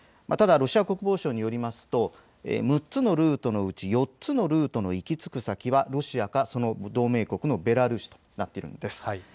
ただロシア国防省によりますと６つのルートのうち４つのルートの行き着く先はロシアかその同盟国のベラルーシとなっているんです。